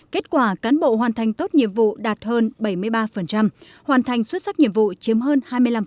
kết quả cán bộ hoàn thành tốt nhiệm vụ đạt hơn bảy mươi ba hoàn thành xuất sắc nhiệm vụ chiếm hơn hai mươi năm